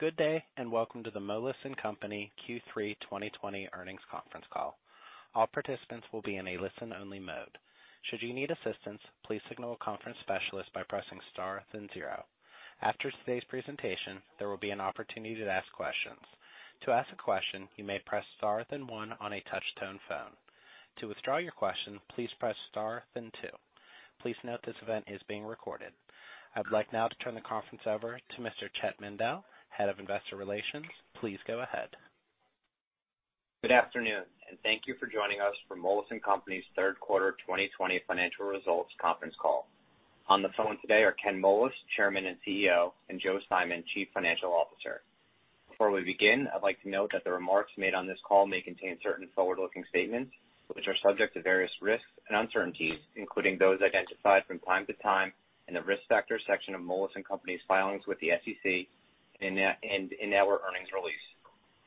Good day and welcome to the Moelis & Company Q3 2020 earnings conference call. All participants will be in a listen-only mode. Should you need assistance, please signal a conference specialist by pressing star then zero. After today's presentation, there will be an opportunity to ask questions. To ask a question, you may press star then one on a touch-tone phone. To withdraw your question, please press star then two. Please note this event is being recorded. I would like now to turn the conference over to Mr. Chett Mandel, Head of Investor Relations. Please go ahead. Good afternoon and thank you for joining us for Moelis & Company's third quarter 2020 financial results conference call. On the phone today are Ken Moelis, Chairman and CEO, and Joe Simon, Chief Financial Officer. Before we begin, I'd like to note that the remarks made on this call may contain certain forward-looking statements which are subject to various risks and uncertainties, including those identified from time to time in the risk factor section of Moelis & Company's filings with the SEC and in our earnings release.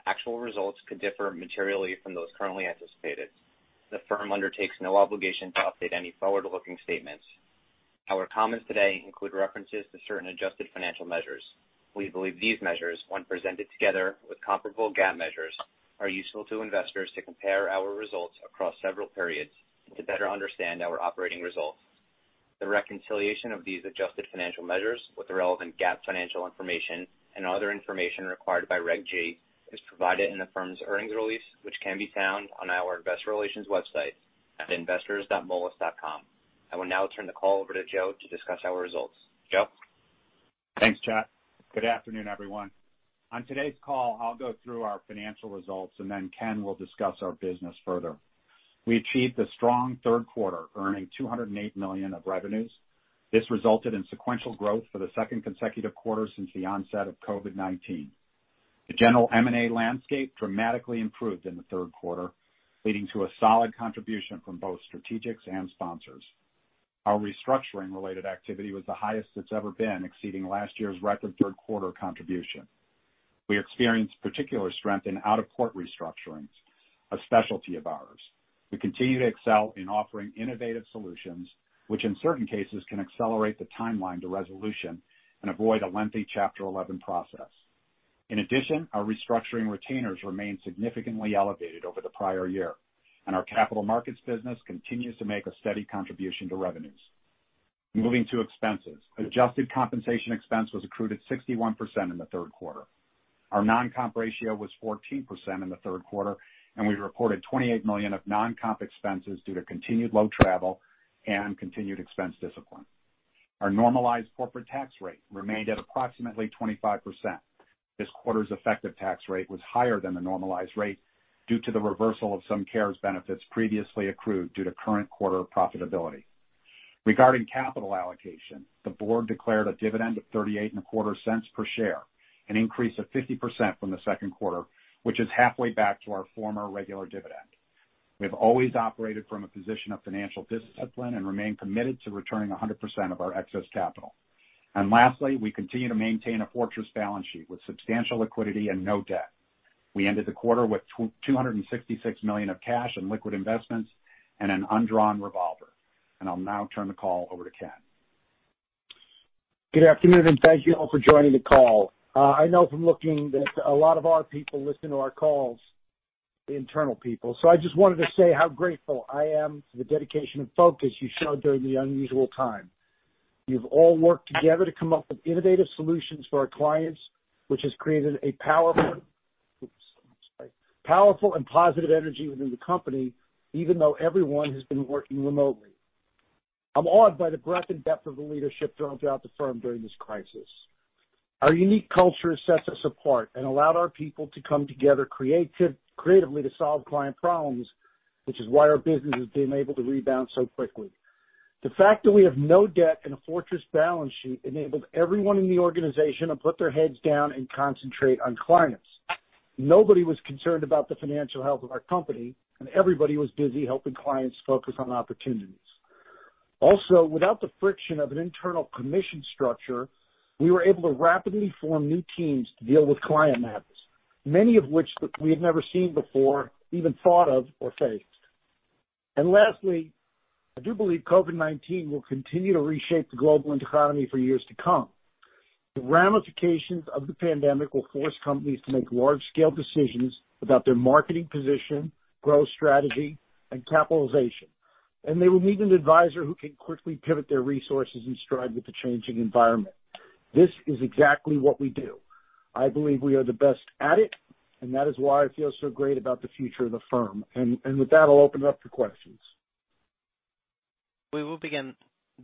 Actual results could differ materially from those currently anticipated. The firm undertakes no obligation to update any forward-looking statements. Our comments today include references to certain adjusted financial measures. We believe these measures, when presented together with comparable GAAP measures, are useful to investors to compare our results across several periods and to better understand our operating results. The reconciliation of these adjusted financial measures with the relevant GAAP financial information and other information required by Reg G is provided in the firm's earnings release, which can be found on our investor relations website at investors.moelis.com. I will now turn the call over to Joe to discuss our results. Joe? Thanks, Chett. Good afternoon, everyone. On today's call, I'll go through our financial results and then Ken will discuss our business further. We achieved a strong third quarter, earning $208 million of revenues. This resulted in sequential growth for the second consecutive quarter since the onset of COVID-19. The general M&A landscape dramatically improved in the third quarter, leading to a solid contribution from both strategics and sponsors. Our restructuring-related activity was the highest it's ever been, exceeding last year's record third quarter contribution. We experienced particular strength in out-of-court restructurings, a specialty of ours. We continue to excel in offering innovative solutions, which in certain cases can accelerate the timeline to resolution and avoid a lengthy Chapter 11 process. In addition, our restructuring retainers remain significantly elevated over the prior year, and our capital markets business continues to make a steady contribution to revenues. Moving to expenses, adjusted compensation expense was accrued at 61% in the third quarter. Our non-comp ratio was 14% in the third quarter, and we reported $28 million of non-comp expenses due to continued low travel and continued expense discipline. Our normalized corporate tax rate remained at approximately 25%. This quarter's effective tax rate was higher than the normalized rate due to the reversal of some CARES benefits previously accrued due to current quarter profitability. Regarding capital allocation, the board declared a dividend of $0.3825 per share, an increase of 50% from the second quarter, which is halfway back to our former regular dividend. We have always operated from a position of financial discipline and remain committed to returning 100% of our excess capital. And lastly, we continue to maintain a fortress balance sheet with substantial liquidity and no debt. We ended the quarter with $266 million of cash and liquid investments and an undrawn revolver. And I'll now turn the call over to Ken. Good afternoon and thank you all for joining the call. I know from looking that a lot of our people listen to our calls, the internal people, so I just wanted to say how grateful I am for the dedication and focus you showed during the unusual time. You've all worked together to come up with innovative solutions for our clients, which has created a powerful and positive energy within the company, even though everyone has been working remotely. I'm awed by the breadth and depth of the leadership shown throughout the firm during this crisis. Our unique culture sets us apart and allowed our people to come together creatively to solve client problems, which is why our business has been able to rebound so quickly. The fact that we have no debt and a fortress balance sheet enabled everyone in the organization to put their heads down and concentrate on clients. Nobody was concerned about the financial health of our company, and everybody was busy helping clients focus on opportunities. Also, without the friction of an internal commission structure, we were able to rapidly form new teams to deal with client matters, many of which we had never seen before, even thought of, or faced. And lastly, I do believe COVID-19 will continue to reshape the global economy for years to come. The ramifications of the pandemic will force companies to make large-scale decisions about their marketing position, growth strategy, and capitalization, and they will need an advisor who can quickly pivot their resources and strive with the changing environment. This is exactly what we do. I believe we are the best at it, and that is why I feel so great about the future of the firm. And with that, I'll open it up for questions. We will begin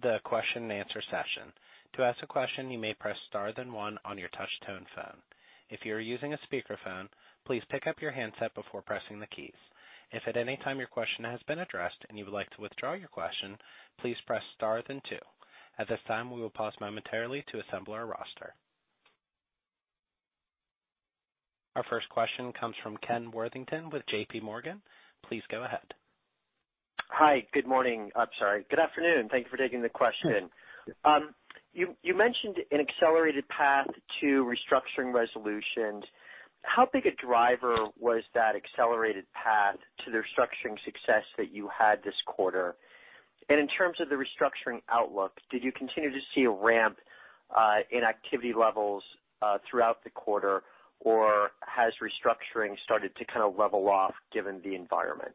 the question and answer session. To ask a question, you may press star then one on your touch-tone phone. If you are using a speakerphone, please pick up your handset before pressing the keys. If at any time your question has been addressed and you would like to withdraw your question, please press star then two. At this time, we will pause momentarily to assemble our roster. Our first question comes from Ken Worthington with JPMorgan. Please go ahead. Hi. Good morning. I'm sorry. Good afternoon. Thank you for taking the question. You mentioned an accelerated path to restructuring resolutions. How big a driver was that accelerated path to the restructuring success that you had this quarter? And in terms of the restructuring outlook, did you continue to see a ramp in activity levels throughout the quarter, or has restructuring started to kind of level off given the environment?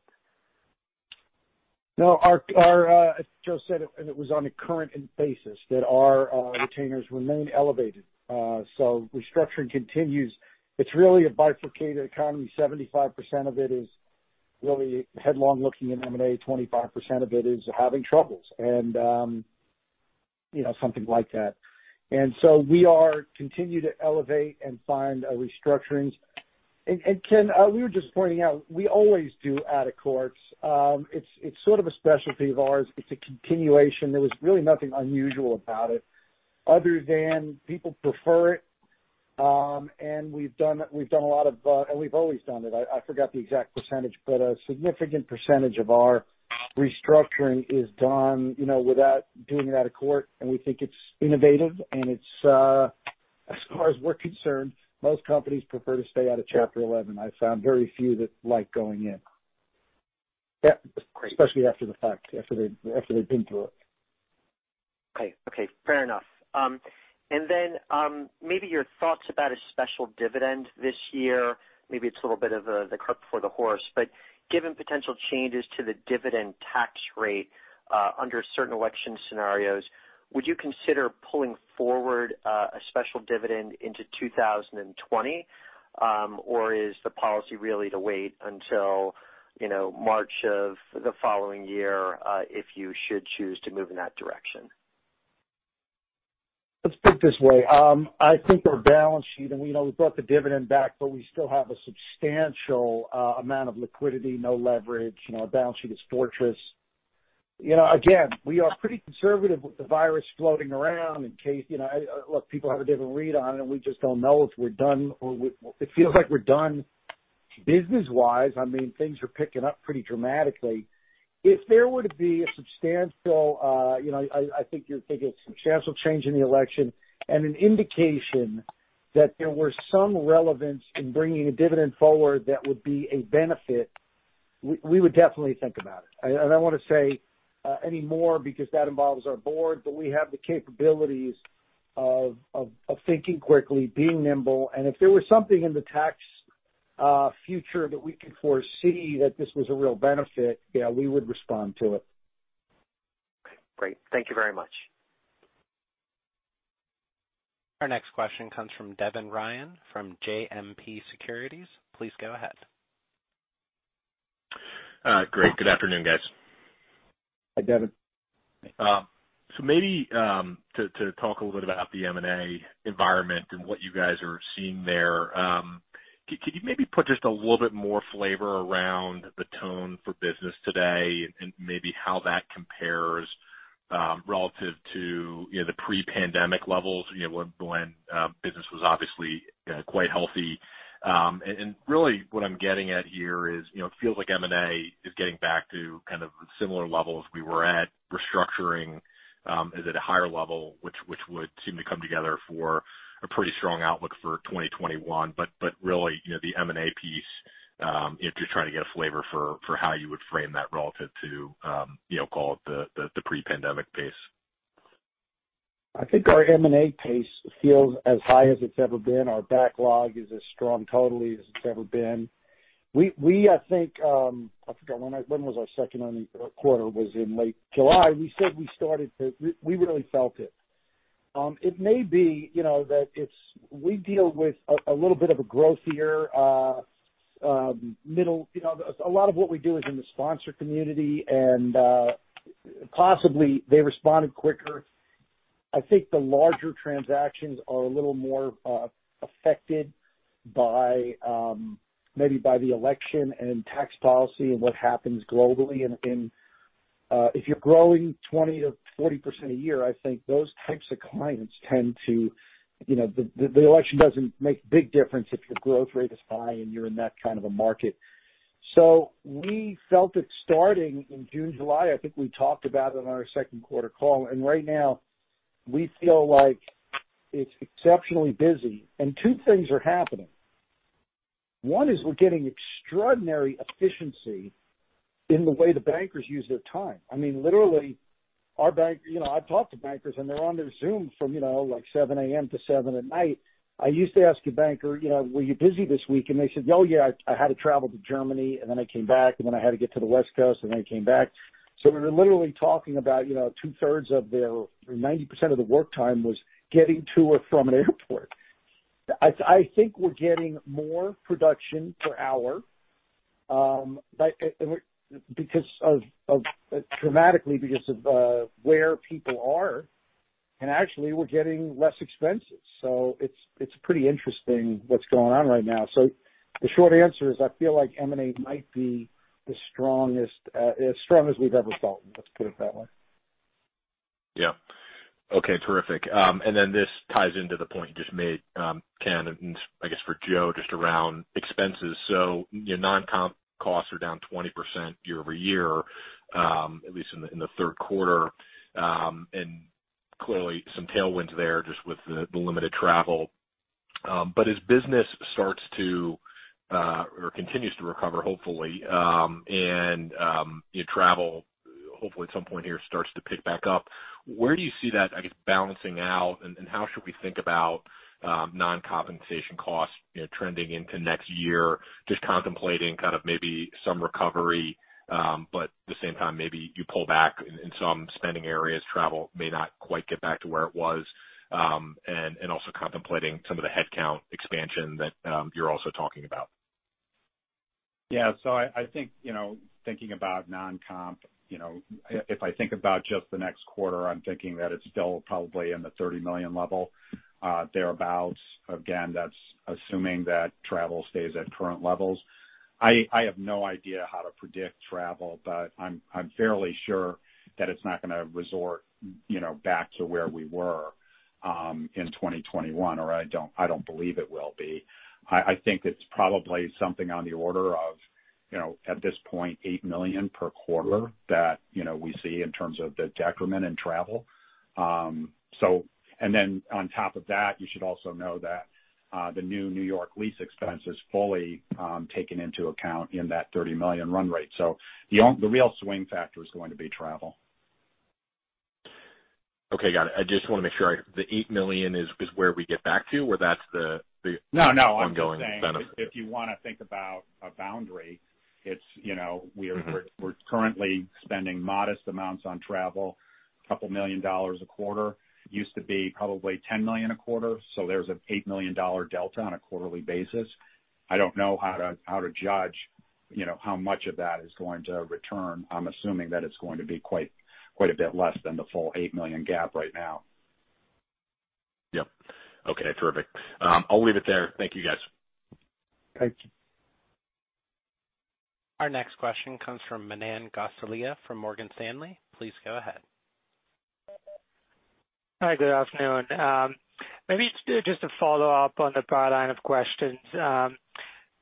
No, as Joe said, it was on a current basis that our retainers remain elevated, so restructuring continues. It's really a bifurcated economy. 75% of it is really healthy looking in M&A. 25% of it is having troubles and something like that, and so we are continuing to elevate and find restructurings. Ken, we were just pointing out, we always do out of court. It's sort of a specialty of ours. It's a continuation. There was really nothing unusual about it other than people prefer it, and we've done a lot of, and we've always done it. I forgot the exact percentage, but a significant percentage of our restructuring is done without doing it out of court, and we think it's innovative. As far as we're concerned, most companies prefer to stay out of Chapter 11. I found very few that like going in, especially after the fact, after they've been through it. Okay. Okay. Fair enough. And then maybe your thoughts about a special dividend this year. Maybe it's a little bit of the cart before the horse. But given potential changes to the dividend tax rate under certain election scenarios, would you consider pulling forward a special dividend into 2020, or is the policy really to wait until March of the following year if you should choose to move in that direction? Let's put it this way. I think our balance sheet, and we brought the dividend back, but we still have a substantial amount of liquidity, no leverage. Our balance sheet is fortress. Again, we are pretty conservative with the virus floating around in case, look, people have a different read on it, and we just don't know if we're done or it feels like we're done business-wise. I mean, things are picking up pretty dramatically. If there were to be a substantial, I think you're thinking of substantial change in the election and an indication that there were some relevance in bringing a dividend forward that would be a benefit, we would definitely think about it. And I don't want to say any more because that involves our board, but we have the capabilities of thinking quickly, being nimble. And if there was something in the tax future that we could foresee that this was a real benefit, yeah, we would respond to it. Okay. Great. Thank you very much. Our next question comes from Devin Ryan from JMP Securities. Please go ahead. Great. Good afternoon, guys. Hi, Devin. So maybe to talk a little bit about the M&A environment and what you guys are seeing there, could you maybe put just a little bit more flavor around the tone for business today and maybe how that compares relative to the pre-pandemic levels when business was obviously quite healthy? And really what I'm getting at here is it feels like M&A is getting back to kind of similar levels we were at, restructuring at a higher level, which would seem to come together for a pretty strong outlook for 2021. But really the M&A piece, just trying to get a flavor for how you would frame that relative to, call it, the pre-pandemic pace. I think our M&A pace feels as high as it's ever been. Our backlog is as strong totally as it's ever been. I think I forgot when was our second quarter. It was in late July. We said we started to, we really felt it. It may be that we deal with a little bit of a growthier middle. A lot of what we do is in the sponsor community, and possibly they responded quicker. I think the larger transactions are a little more affected maybe by the election and tax policy and what happens globally, and if you're growing 20%-40% a year, I think those types of clients tend to, the election doesn't make a big difference if your growth rate is high and you're in that kind of a market, so we felt it starting in June/July. I think we talked about it on our second quarter call, and right now, we feel like it's exceptionally busy, and two things are happening. One is we're getting extraordinary efficiency in the way the bankers use their time. I mean, literally, our bank, I've talked to bankers, and they're on their Zoom from like 7:00 A.M. to 7:00 P.M. I used to ask a banker, "Were you busy this week?" and they said, "Oh, yeah. I had to travel to Germany, and then I came back, and then I had to get to the West Coast, and then I came back," so we were literally talking about two-thirds of their, 90% of their work time was getting to or from an airport. I think we're getting more production per hour because of dramatically because of where people are, and actually, we're getting less expenses. So it's pretty interesting what's going on right now. So the short answer is I feel like M&A might be as strong as we've ever felt. Let's put it that way. Yeah. Okay. Terrific. And then this ties into the point you just made, Ken, and I guess for Joe just around expenses. So non-comp costs are down 20% year-over-year, at least in the third quarter. And clearly, some tailwinds there just with the limited travel. But as business starts to or continues to recover, hopefully, and travel hopefully at some point here starts to pick back up, where do you see that, I guess, balancing out? And how should we think about non-compensation costs trending into next year? Just contemplating kind of maybe some recovery, but at the same time, maybe you pull back in some spending areas. Travel may not quite get back to where it was. And also contemplating some of the headcount expansion that you're also talking about. Yeah. So I think thinking about non-comp, if I think about just the next quarter, I'm thinking that it's still probably in the $30 million level thereabouts. Again, that's assuming that travel stays at current levels. I have no idea how to predict travel, but I'm fairly sure that it's not going to resort back to where we were in 2021, or I don't believe it will be. I think it's probably something on the order of, at this point, $8 million per quarter that we see in terms of the decrement in travel. And then on top of that, you should also know that the new New York lease expense is fully taken into account in that $30 million run rate. So the real swing factor is going to be travel. Okay. Got it. I just want to make sure I heard the $8 million is where we get back to, or that's the ongoing benefit? No, no. If you want to think about a boundary, we're currently spending modest amounts on travel, $2 million a quarter. Used to be probably $10 million a quarter. So there's an $8 million dollar delta on a quarterly basis. I don't know how to judge how much of that is going to return. I'm assuming that it's going to be quite a bit less than the full $8 million gap right now. Yep. Okay. Terrific. I'll leave it there. Thank you, guys. Thank you. Our next question comes from Manan Gosalia from Morgan Stanley. Please go ahead. Hi. Good afternoon. Maybe just to follow up on the broad line of questions. Do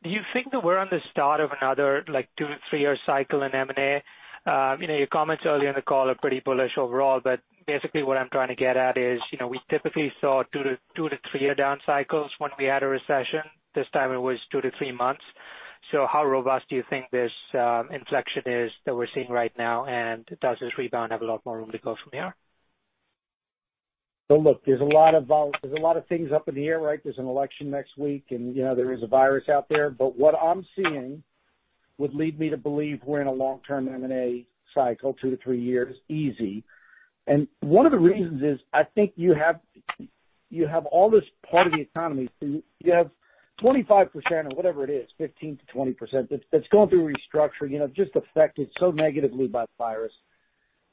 you think that we're on the start of another two- to three-year cycle in M&A? Your comments earlier in the call are pretty bullish overall, but basically what I'm trying to get at is we typically saw two- to three-year down cycles when we had a recession. This time, it was two- to three months. So how robust do you think this inflection is that we're seeing right now? And does this rebound have a lot more room to go from here? Well, look, there's a lot of things up in the air, right? There's an election next week, and there is a virus out there. But what I'm seeing would lead me to believe we're in a long-term M&A cycle, two to three years, easy. And one of the reasons is I think you have all this part of the economy. You have 25% or whatever it is, 15%-20% that's going through restructuring, just affected so negatively by the virus.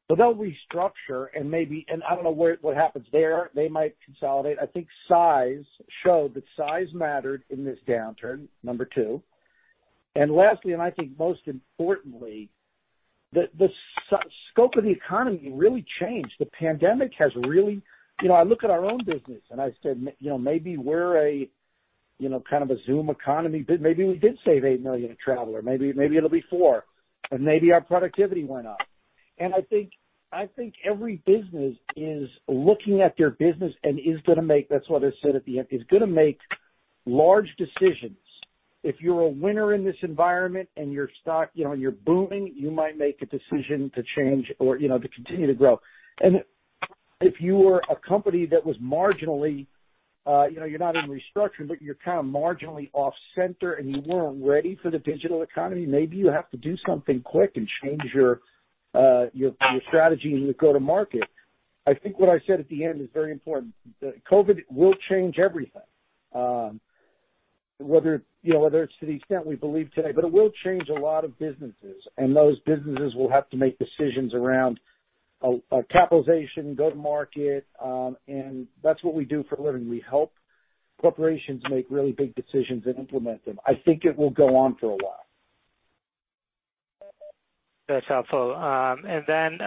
So they'll restructure and maybe, and I don't know what happens there. They might consolidate. I think size showed that size mattered in this downturn, number two. And lastly, and I think most importantly, the scope of the economy really changed. The pandemic has really. I look at our own business, and I said, "Maybe we're kind of a Zoom economy. Maybe we did save 8 million traveler. Maybe it'll be 4. And maybe our productivity went up. And I think every business is looking at their business and is going to make - that's what I said at the end - is going to make large decisions. If you're a winner in this environment and you're booming, you might make a decision to change or to continue to grow. And if you were a company that was marginally - you're not in restructuring, but you're kind of marginally off-center, and you weren't ready for the digital economy, maybe you have to do something quick and change your strategy and go to market. I think what I said at the end is very important. COVID will change everything, whether it's to the extent we believe today, but it will change a lot of businesses. And those businesses will have to make decisions around capitalization, go-to-market. And that's what we do for a living. We help corporations make really big decisions and implement them. I think it will go on for a while. That's helpful. And then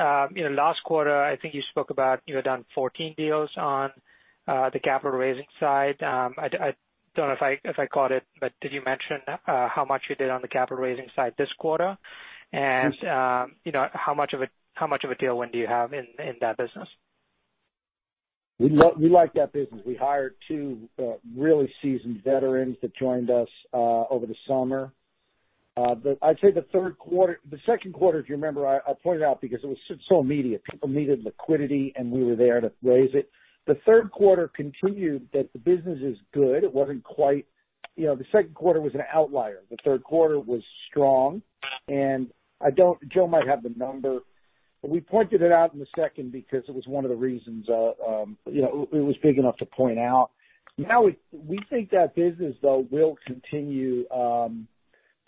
last quarter, I think you spoke about you had done 14 deals on the capital raising side. I don't know if I caught it, but did you mention how much you did on the capital raising side this quarter? And how much of a deal win do you have in that business? We like that business. We hired two really seasoned veterans that joined us over the summer. I'd say the third quarter, the second quarter, if you remember, I pointed out because it was so immediate. People needed liquidity, and we were there to raise it. The third quarter continued that the business is good. It wasn't quite, the second quarter was an outlier. The third quarter was strong, and Joe might have the number. We pointed it out in the second because it was one of the reasons it was big enough to point out. Now, we think that business, though, will continue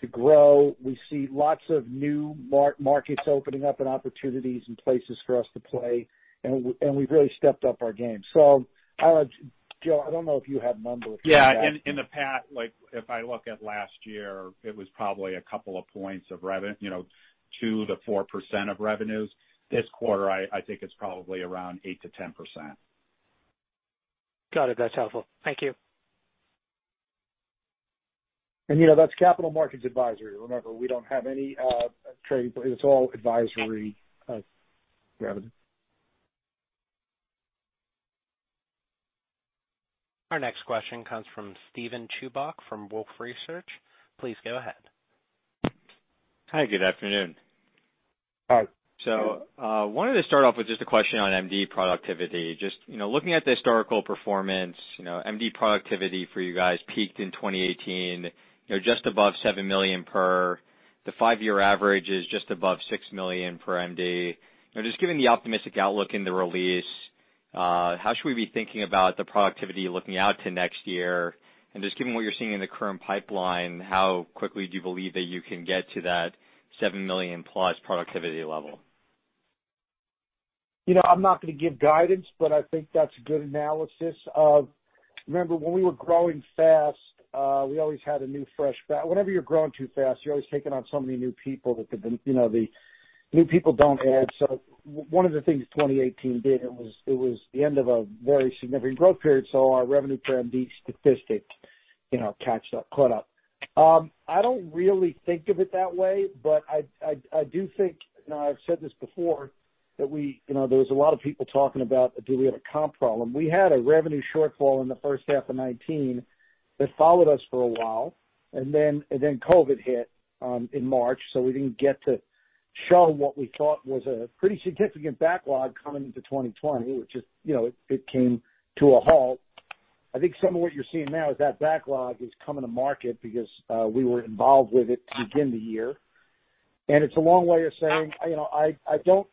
to grow. We see lots of new markets opening up and opportunities and places for us to play, and we've really stepped up our game, so I don't know, Joe, I don't know if you have a number. Yeah. In the past, if I look at last year, it was probably a couple of points of revenue, 2%-4% of revenues. This quarter, I think it's probably around 8%-10%. Got it. That's helpful. Thank you. That's Capital Markets Advisory. Remember, we don't have any trading desk. It's all advisory revenue. Our next question comes from Steven Chubak from Wolfe Research. Please go ahead. Hi. Good afternoon. Hi. So I wanted to start off with just a question on MD productivity. Just looking at the historical performance, MD productivity for you guys peaked in 2018, just above $7 million per. The five-year average is just above $6 million per MD. Just given the optimistic outlook in the release, how should we be thinking about the productivity looking out to next year? And just given what you're seeing in the current pipeline, how quickly do you believe that you can get to that $7 million+ productivity level? I'm not going to give guidance, but I think that's a good analysis of, remember, when we were growing fast, we always had a new fresh, whenever you're growing too fast, you're always taking on so many new people that the new people don't add. So one of the things 2018 did, it was the end of a very significant growth period. So our revenue per MD statistic caught up, caught up. I don't really think of it that way, but I do think, and I've said this before, that there was a lot of people talking about, "Do we have a comp problem?" We had a revenue shortfall in the first half of 2019 that followed us for a while, and then COVID hit in March, so we didn't get to show what we thought was a pretty significant backlog coming into 2020, which just came to a halt. I think some of what you're seeing now is that backlog is coming to market because we were involved with it to begin the year, and it's a long way of saying, "I don't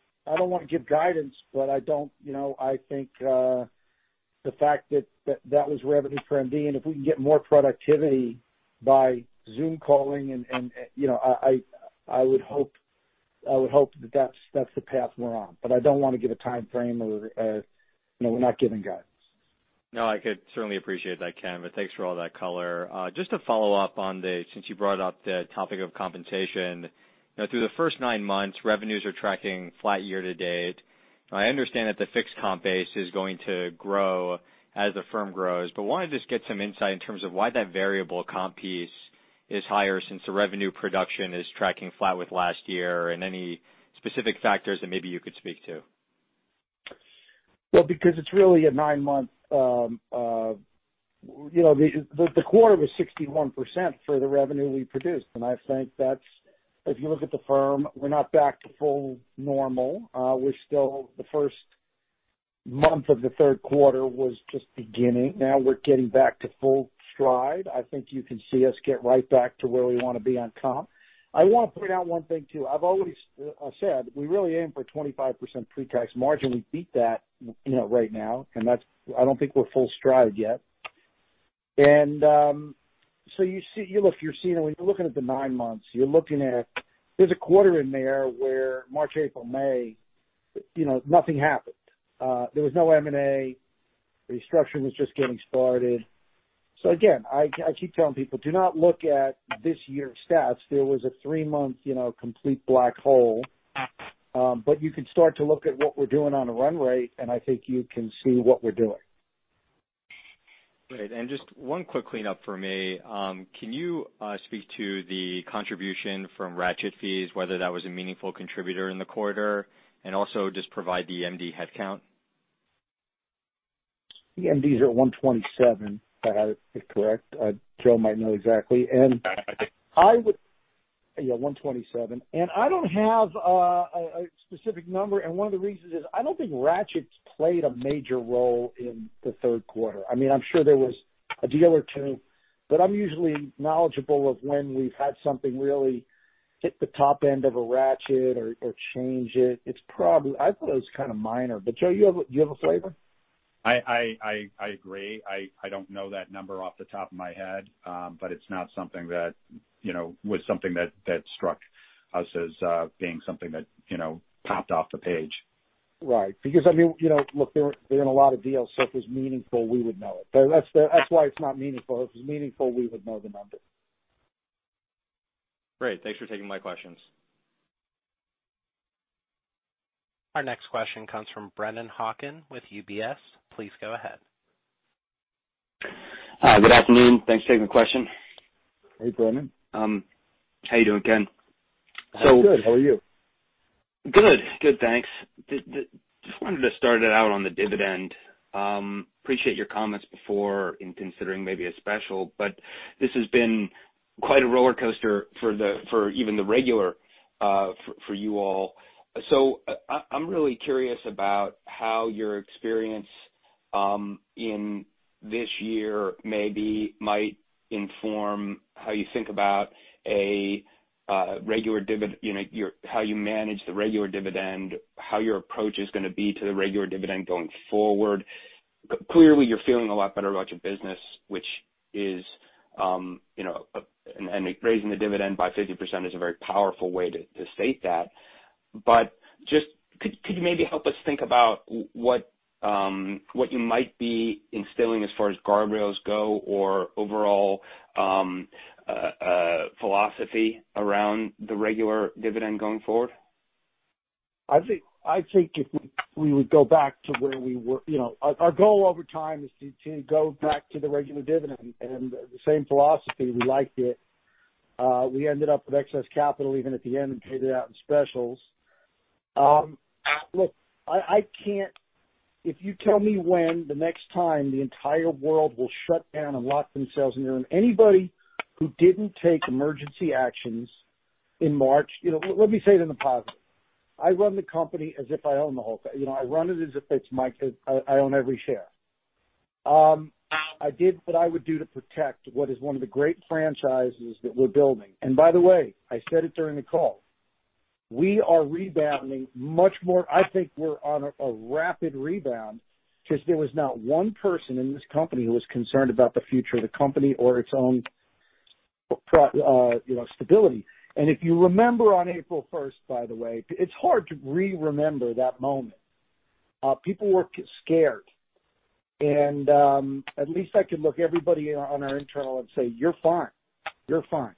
want to give guidance, but I don't think the fact that that was revenue per MD, and if we can get more productivity by Zoom calling," and I would hope that that's the path we're on, but I don't want to give a time frame, or we're not giving guidance. No, I could certainly appreciate that, Ken, but thanks for all that color. Just to follow up on the, since you brought up the topic of compensation, through the first nine months, revenues are tracking flat year to date. I understand that the fixed comp base is going to grow as the firm grows, but I wanted to just get some insight in terms of why that variable comp piece is higher since the revenue production is tracking flat with last year and any specific factors that maybe you could speak to. Because it's really a nine-month, the quarter was 61% for the revenue we produced. And I think that's. If you look at the firm, we're not back to full normal. The first month of the third quarter was just beginning. Now we're getting back to full stride. I think you can see us get right back to where we want to be on comp. I want to point out one thing too. I've always said we really aim for 25% pre-tax margin. We beat that right now. And I don't think we're full stride yet. And so you look. You're seeing it when you're looking at the nine months, you're looking at. There's a quarter in there where March, April, May, nothing happened. There was no M&A. The restructuring was just getting started. So again, I keep telling people, "Do not look at this year's stats. There was a three-month complete black hole, but you can start to look at what we're doing on a run rate, and I think you can see what we're doing. Great, and just one quick cleanup for me. Can you speak to the contribution from ratchet fees, whether that was a meaningful contributor in the quarter, and also just provide the MD headcount? The MDs are 127, if correct. Joe might know exactly. And I would, yeah, 127. And I don't have a specific number. And one of the reasons is I don't think ratchets played a major role in the third quarter. I mean, I'm sure there was a deal or two, but I'm usually knowledgeable of when we've had something really hit the top end of a ratchet or change it. I thought it was kind of minor. But Joe, do you have a flavor? I agree. I don't know that number off the top of my head, but it's not something that struck us as being something that popped off the page. Right. Because I mean, look, they're in a lot of deals. So if it was meaningful, we would know it. That's why it's not meaningful. If it was meaningful, we would know the number. Great. Thanks for taking my questions. Our next question comes from Brennan Hawken with UBS. Please go ahead. Hi. Good afternoon. Thanks for taking the question. Hey, Brennan. How are you doing, Ken? I'm good. How are you? Good. Good. Thanks. Just wanted to start it out on the dividend. Appreciate your comments before in considering maybe a special, but this has been quite a roller coaster for even the regular for you all. So I'm really curious about how your experience in this year maybe might inform how you think about a regular dividend, how you manage the regular dividend, how your approach is going to be to the regular dividend going forward. Clearly, you're feeling a lot better about your business, which is raising the dividend by 50% is a very powerful way to state that. But just could you maybe help us think about what you might be instilling as far as guardrails go or overall philosophy around the regular dividend going forward? I think if we would go back to where we were, our goal over time is to go back to the regular dividend, and the same philosophy, we liked it. We ended up with excess capital even at the end and paid it out in specials. Look, if you tell me when the next time the entire world will shut down and lock themselves in the room. Anybody who didn't take emergency actions in March, let me say it in the positive. I run the company as if I own the whole thing. I run it as if I own every share. I did what I would do to protect what is one of the great franchises that we're building, and by the way, I said it during the call. We are rebounding much more. I think we're on a rapid rebound because there was not one person in this company who was concerned about the future of the company or its own stability, and if you remember on April 1st, by the way, it's hard to re-remember that moment. People were scared, and at least I could look everybody on our internal and say, "You're fine. You're fine.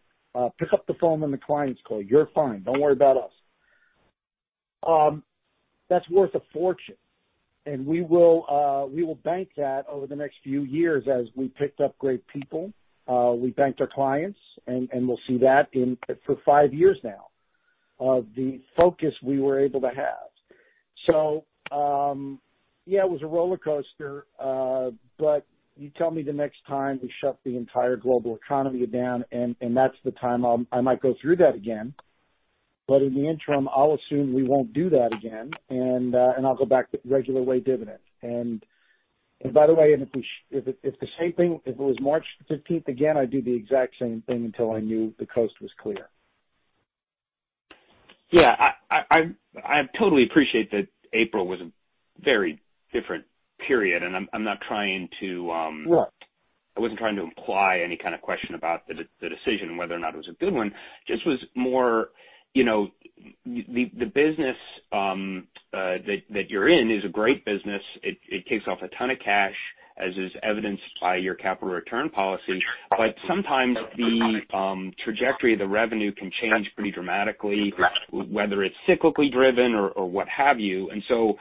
Pick up the phone when the client's calling. You're fine. Don't worry about us." That's worth a fortune, and we will bank that over the next few years as we picked up great people. We banked our clients, and we'll see that for five years now of the focus we were able to have, so yeah, it was a roller coaster, but you tell me the next time we shut the entire global economy down, and that's the time I might go through that again. But in the interim, I'll assume we won't do that again, and I'll go back to regular way dividend. And by the way, if the same thing, if it was March 15th again, I'd do the exact same thing until I knew the coast was clear. Yeah. I totally appreciate that April was a very different period. And I'm not trying to. I wasn't trying to imply any kind of question about the decision, whether or not it was a good one. Just was more the business that you're in is a great business. It takes off a ton of cash, as is evidenced by your capital return policy. But sometimes the trajectory of the revenue can change pretty dramatically, whether it's cyclically driven or what have you. And so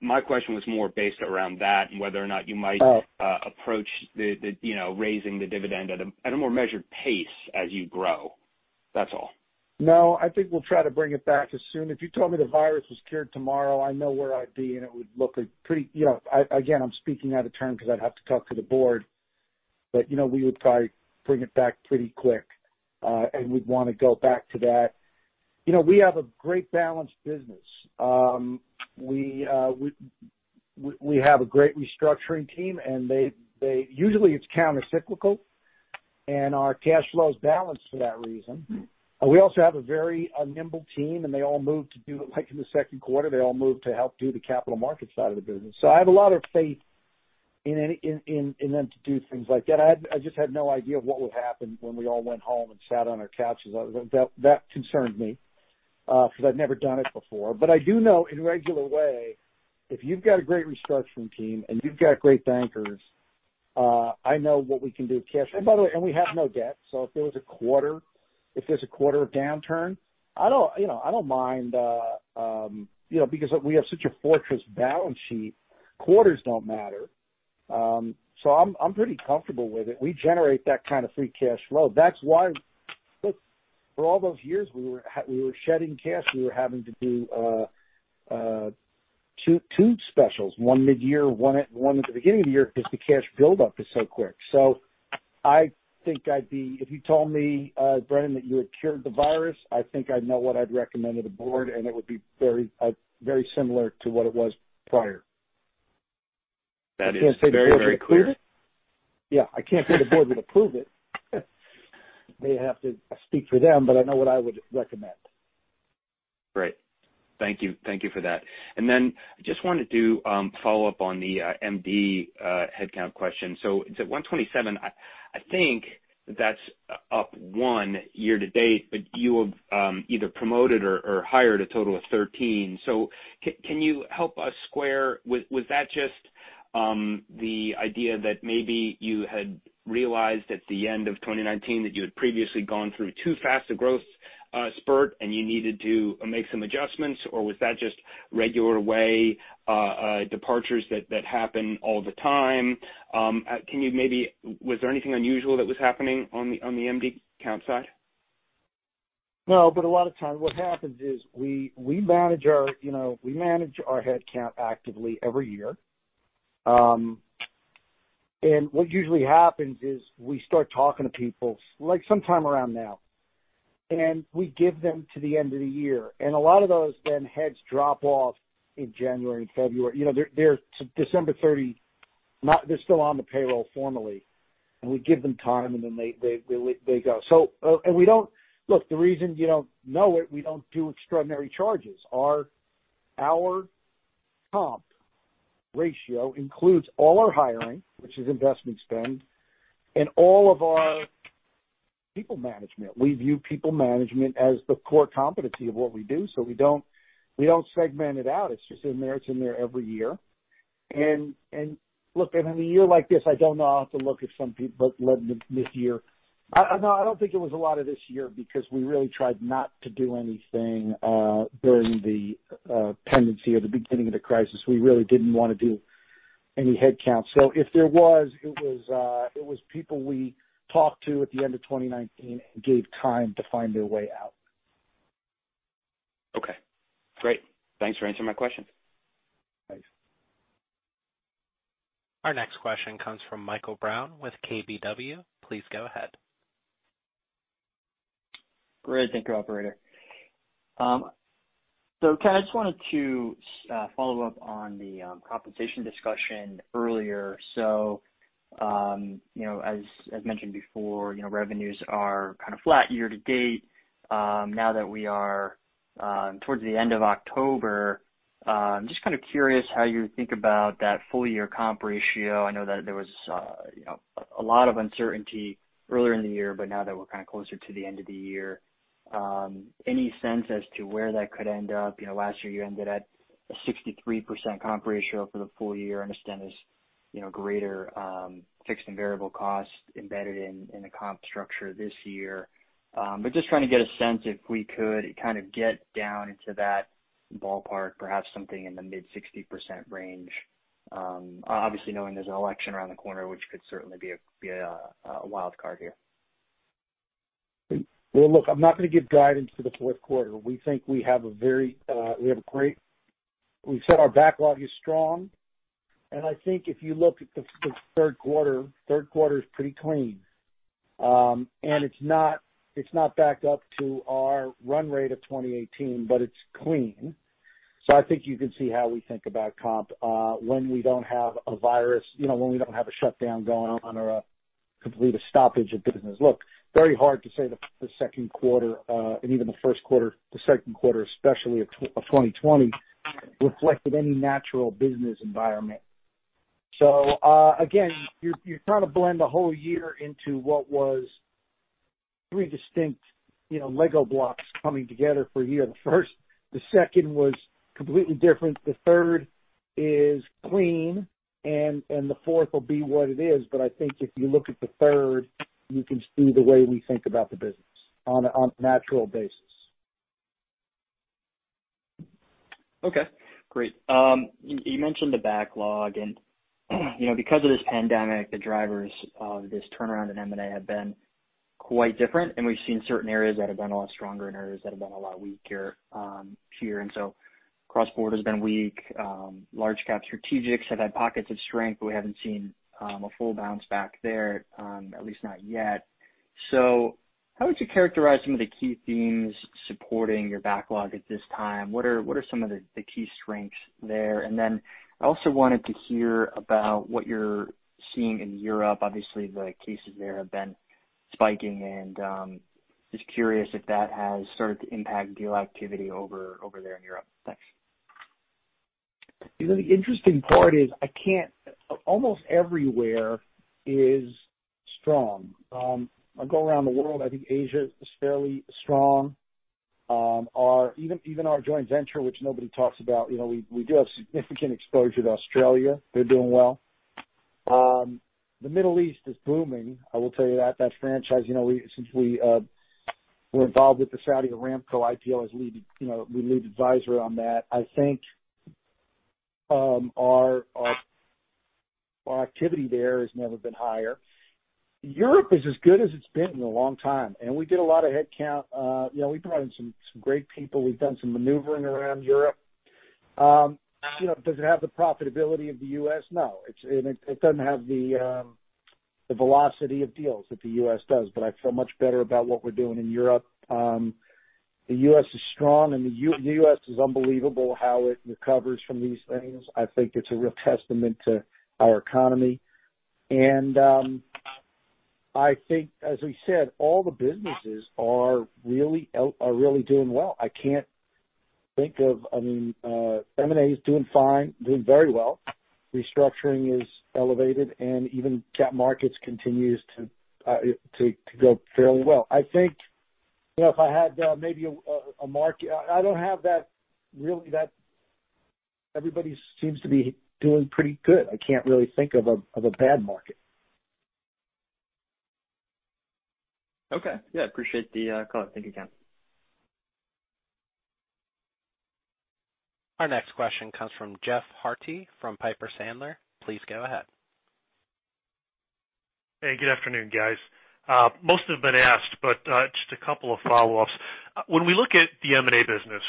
my question was more based around that and whether or not you might approach raising the dividend at a more measured pace as you grow. That's all. No, I think we'll try to bring it back as soon as you told me the virus was cured tomorrow. I know where I'd be, and it would look pretty, again, I'm speaking out of turn because I'd have to talk to the board. But we would probably bring it back pretty quick, and we'd want to go back to that. We have a great balanced business. We have a great restructuring team, and usually it's countercyclical, and our cash flow is balanced for that reason. We also have a very nimble team, and they all moved to do it in the second quarter. They all moved to help do the capital market side of the business. So I have a lot of faith in them to do things like that. I just had no idea what would happen when we all went home and sat on our couches. That concerned me because I'd never done it before. But I do know in a regular way, if you've got a great restructuring team and you've got great bankers, I know what we can do with cash. And by the way, we have no debt. So if there was a quarter, if there's a quarter of downturn, I don't mind because we have such a fortress balance sheet. Quarters don't matter. So I'm pretty comfortable with it. We generate that kind of free cash flow. That's why for all those years we were shedding cash, we were having to do two specials, one mid-year, one at the beginning of the year because the cash buildup is so quick. I think I'd be, if you told me, Brennan, that you had cured the virus, I think I'd know what I'd recommend to the board, and it would be very similar to what it was prior. That is very, very clear. Yeah. I can't say the board would approve it. They'd have to speak for them, but I know what I would recommend. Great. Thank you. Thank you for that. And then I just wanted to follow up on the MD headcount question. So it's at 127. I think that's up one year to date, but you have either promoted or hired a total of 13. So can you help us square? Was that just the idea that maybe you had realized at the end of 2019 that you had previously gone through too fast a growth spurt and you needed to make some adjustments, or was that just regular way departures that happen all the time? Can you maybe? Was there anything unusual that was happening on the MD count side? No, but a lot of times what happens is we manage our headcount actively every year. And what usually happens is we start talking to people sometime around now, and we give them to the end of the year. And a lot of those then heads drop off in January and February. They're December 30. They're still on the payroll formally. And we give them time, and then they go. And look, the reason you don't know it, we don't do extraordinary charges. Our comp ratio includes all our hiring, which is investment spend, and all of our people management. We view people management as the core competency of what we do. So we don't segment it out. It's just in there. It's in there every year. And look, in a year like this, I don't know. I'll have to look at some people, but let me see. I don't think it was a lot of this year because we really tried not to do anything during the pendency or the beginning of the crisis. We really didn't want to do any headcount. So if there was, it was people we talked to at the end of 2019 and gave time to find their way out. Okay. Great. Thanks for answering my question. Thanks. Our next question comes from Michael Brown with KBW. Please go ahead. Great. Thank you, Operator. So Ken, I just wanted to follow up on the compensation discussion earlier. So as mentioned before, revenues are kind of flat year to date. Now that we are towards the end of October, I'm just kind of curious how you think about that full-year comp ratio. I know that there was a lot of uncertainty earlier in the year, but now that we're kind of closer to the end of the year, any sense as to where that could end up? Last year, you ended at a 63% comp ratio for the full year. I understand there's greater fixed and variable costs embedded in the comp structure this year. But just trying to get a sense if we could kind of get down into that ballpark, perhaps something in the mid-60% range, obviously knowing there's an election around the corner, which could certainly be a wild card here. Look, I'm not going to give guidance for the fourth quarter. We think we have a very strong backlog. And I think if you look at the third quarter, third quarter is pretty clean. And it's not backed up to our run rate of 2018, but it's clean. So I think you can see how we think about comp when we don't have a virus, when we don't have a shutdown going on or a complete stoppage of business. Look, it's very hard to say the second quarter and even the first quarter, the second quarter, especially of 2020, reflected any natural business environment. So again, you're trying to blend a whole year into what was three distinct Lego blocks coming together for a year. The second was completely different. The third is clean, and the fourth will be what it is. But I think if you look at the third, you can see the way we think about the business on a natural basis. Okay. Great. You mentioned the backlog. And because of this pandemic, the drivers of this turnaround in M&A have been quite different. And we've seen certain areas that have been a lot stronger and areas that have been a lot weaker here. And so cross-border has been weak. Large-cap strategics have had pockets of strength, but we haven't seen a full bounce back there, at least not yet. So how would you characterize some of the key themes supporting your backlog at this time? What are some of the key strengths there? And then I also wanted to hear about what you're seeing in Europe. Obviously, the cases there have been spiking, and just curious if that has started to impact deal activity over there in Europe? Thanks. The interesting part is almost everywhere is strong. I go around the world. I think Asia is fairly strong. Even our joint venture, which nobody talks about, we do have significant exposure to Australia. They're doing well. The Middle East is booming. I will tell you that. That franchise, since we were involved with the Saudi Aramco IPO, we lead advisory on that. I think our activity there has never been higher. Europe is as good as it's been in a long time, and we did a lot of headcount. We brought in some great people. We've done some maneuvering around Europe. Does it have the profitability of the U.S.? No. It doesn't have the velocity of deals that the U.S. does. But I feel much better about what we're doing in Europe. The U.S. is strong, and the U.S. is unbelievable how it recovers from these things. I think it's a real testament to our economy. And I think, as we said, all the businesses are really doing well. I can't think of, I mean, M&A is doing fine, doing very well. Restructuring is elevated, and even cap markets continue to go fairly well. I think if I had maybe a market, I don't have that really, everybody seems to be doing pretty good. I can't really think of a bad market. Okay. Yeah. Appreciate the call. Thank you, Ken. Our next question comes from Jeff Harte from Piper Sandler. Please go ahead. Hey, good afternoon, guys. Most have been asked, but just a couple of follow-ups. When we look at the M&A business,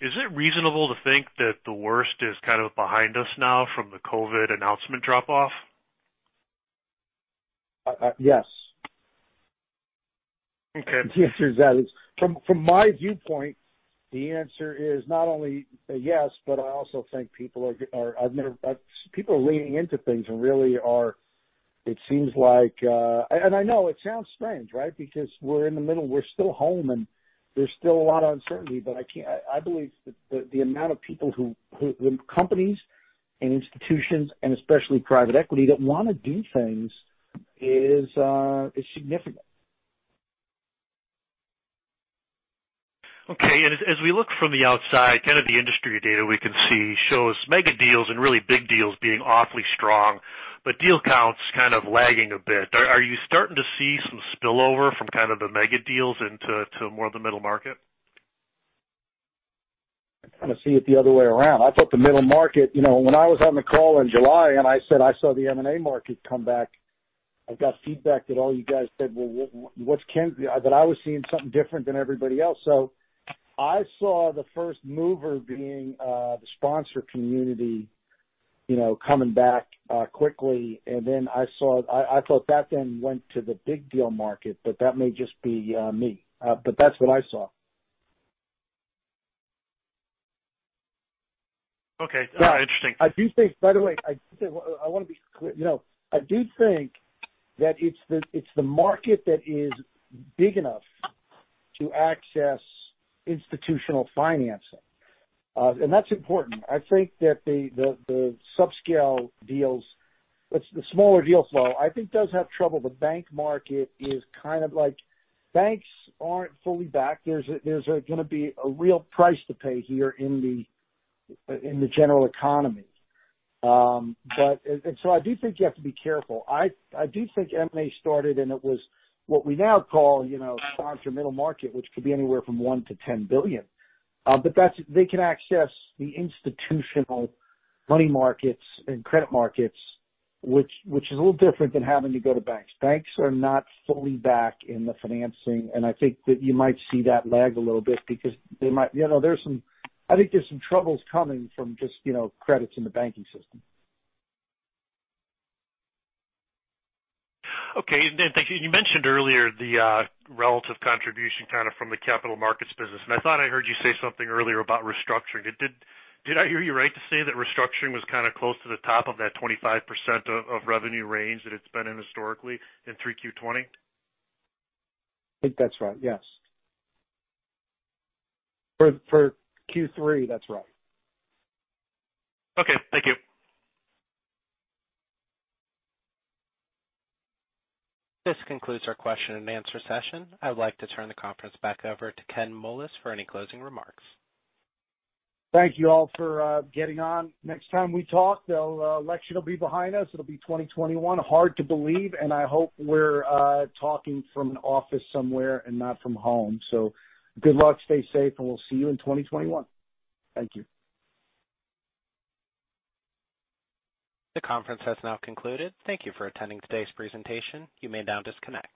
is it reasonable to think that the worst is kind of behind us now from the COVID announcement drop-off? Yes. The answer is that. From my viewpoint, the answer is not only a yes, but I also think people are leaning into things and really are. It seems like, and I know it sounds strange, right? Because we're in the middle. We're still home, and there's still a lot of uncertainty. But I believe the amount of companies and institutions, and especially private equity that want to do things is significant. Okay. As we look from the outside, kind of the industry data we can see shows mega deals and really big deals being awfully strong, but deal counts kind of lagging a bit. Are you starting to see some spillover from kind of the mega deals into more of the middle market? I'm going to see it the other way around. I thought the middle market, when I was on the call in July and I said I saw the M&A market come back, I got feedback that all you guys said, "Well, what's Ken's?" that I was seeing something different than everybody else. So I saw the first mover being the sponsor community coming back quickly. And then I thought that then went to the big deal market, but that may just be me. But that's what I saw. Okay. Interesting. I do think. By the way, I want to be clear. I do think that it's the market that is big enough to access institutional financing, and that's important. I think that the subscale deals, the smaller deal flow, I think does have trouble. The bank market is kind of like banks aren't fully back. There's going to be a real price to pay here in the general economy, and so I do think you have to be careful. I do think M&A started, and it was what we now call sponsor middle market, which could be anywhere from one to 10 billion. But they can access the institutional money markets and credit markets, which is a little different than having to go to banks. Banks are not fully back in the financing. I think that you might see that lag a little bit because there are some. I think there's some troubles coming from just credits in the banking system. Okay. And you mentioned earlier the relative contribution kind of from the capital markets business. And I thought I heard you say something earlier about restructuring. Did I hear you right to say that restructuring was kind of close to the top of that 25% of revenue range that it's been in historically in 3Q 2020? I think that's right. Yes. For Q3, that's right. Okay. Thank you. This concludes our question and answer session. I would like to turn the conference back over to Ken Moelis for any closing remarks. Thank you all for getting on. Next time we talk, the election will be behind us. It'll be 2021. Hard to believe. And I hope we're talking from an office somewhere and not from home. So good luck. Stay safe, and we'll see you in 2021. Thank you. The conference has now concluded. Thank you for attending today's presentation. You may now disconnect.